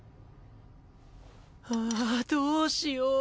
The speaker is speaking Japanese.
ああどうしよう！